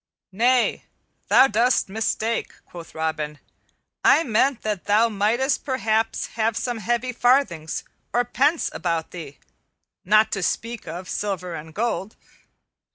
"Nay, thou dost mistake," quoth Robin, "I meant that thou mightest perhaps have some heavy farthings or pence about thee, not to speak of silver and gold.